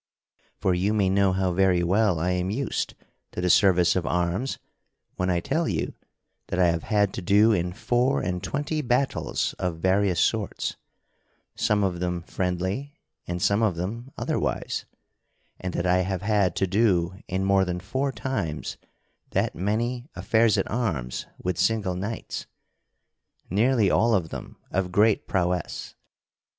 For you may know how very well I am used to the service of arms when I tell you that I have had to do in four and twenty battles of various sorts; some of them friendly and some of them otherwise; and that I have had to do in more than four times that many affairs at arms with single knights, nearly all of them of great prowess.